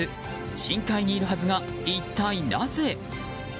深海にいるはずが、一体なぜ？